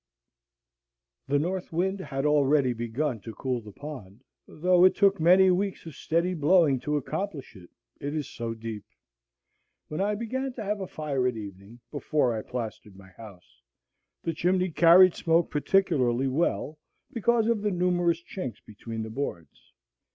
The north wind had already begun to cool the pond, though it took many weeks of steady blowing to accomplish it, it is so deep. When I began to have a fire at evening, before I plastered my house, the chimney carried smoke particularly well, because of the numerous chinks between the boards.